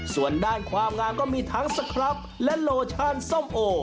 ส่วนด้านความงามก็มีทั้งสครับและโลชั่นส้มโอ